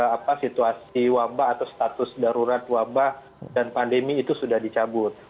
apa situasi wabah atau status darurat wabah dan pandemi itu sudah dicabut